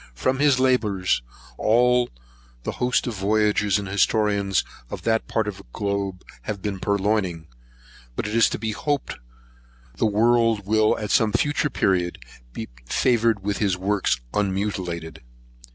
From his labours, all the host of voyagers and historians of that part of the globe have been purloining; but it is to be hoped the world will, at some future period, be favoured with his works unmutilated.